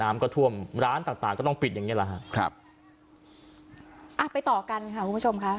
น้ำก็ท่วมร้านต่างต่างก็ต้องปิดอย่างเงี้แหละฮะครับอ่ะไปต่อกันค่ะคุณผู้ชมค่ะ